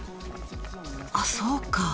あそうか。